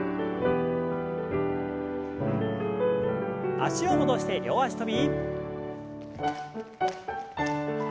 脚を戻して両脚跳び。